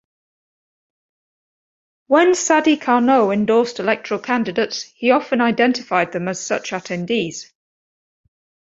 When Sadi Carnot endorsed electoral candidates, he often identified them as such attendees.